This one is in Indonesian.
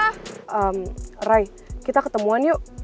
ehm raya kita ketemuan yuk